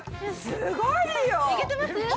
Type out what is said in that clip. すごいよ。